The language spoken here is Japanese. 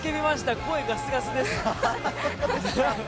声、ガスガスです。